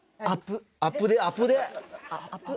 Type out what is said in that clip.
アプデアプデ！